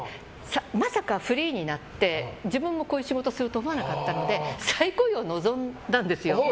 まさかフリーになって自分もこういう仕事をすると思わなかったので再雇用を望んだんですよ。